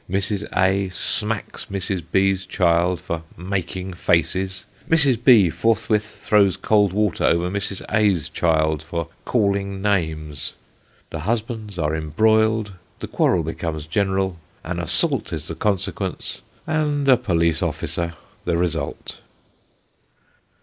Mrs. A. "smacks" Mrs. B.'s child, for "making faces." Mrs. B. forthwith throws cold water over Mrs. B.'s child for "calling names." The husbands are embroiled the quarrel becomes general an assault is the consequence, and a police officer the result.